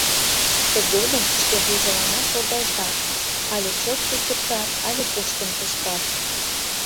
— Тыгодым шке вуйжыланат логалтат: але чот сусыртат, але пуштын пыштат.